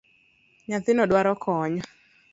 Nyathino dwaro kony